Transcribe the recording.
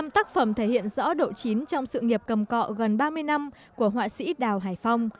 hai mươi năm tác phẩm thể hiện rõ độ chính trong sự nghiệp cầm cọ gần ba mươi năm của họa sĩ đào hải phong